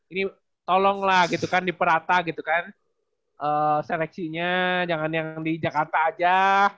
ini tolonglah gitu kan di perata gitu kan seleksinya jangan yang di jakarta aja